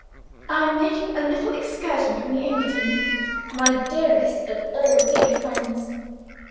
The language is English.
"I am making a little excursion from the Engadine, my dearest of all dear friends.